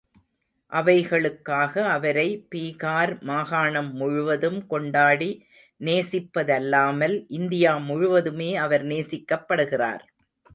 அவைகளுக்காக அவரை பீகார் மாகாணம் முழுவதும் கொண்டாடி நேசிப்பதல்லாமல், இந்தியா முழுவதுமே அவர் நேசிக்கப்படுகிறார்.